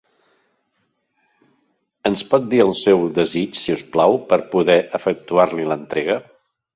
Ens pot dir el seu desig, si us plau, per poder efectuar-li l'entrega?